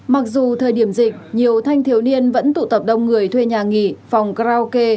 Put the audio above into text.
mặc dù thời điểm dịch nhiều thanh thiếu niên vẫn tụ tập đông người thuê nhà nghỉ phòng karaoke